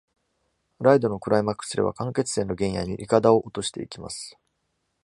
ライドのクライマックスでは、間欠泉の原野にイカダを落としていきます。